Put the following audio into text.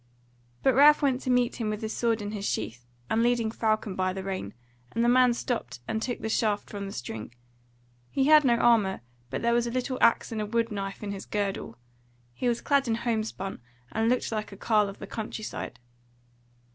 But Ralph went to meet him with his sword in his sheath, and leading Falcon by the rein, and the man stopped and took the shaft from the string: he had no armour, but there was a little axe and a wood knife in his girdle; he was clad in homespun, and looked like a carle of the country side.